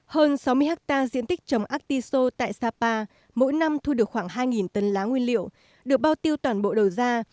hơn sáu mươi hectare diện tích trồng artiso tại sapa mỗi năm thu được khoảng hai tấn lá nguyên liệu được bao tiêu toàn bộ đầu ra